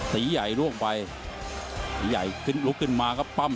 สีใหญ่ล่วงไปสีใหญ่ขึ้นลุกขึ้นมาครับปั้ม